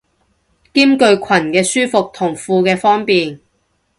兼具裙嘅舒服同褲嘅方便